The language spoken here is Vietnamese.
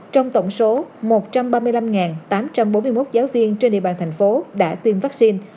trong tổng số một trăm ba mươi năm tám trăm bốn mươi một giáo viên trên địa bàn thành phố đã tiêm vaccine